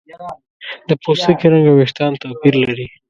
د پوستکي رنګ او ویښتان توپیر لري.